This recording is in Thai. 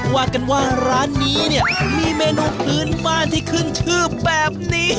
ว่ากันว่าร้านนี้เนี่ยมีเมนูพื้นบ้านที่ขึ้นชื่อแบบนี้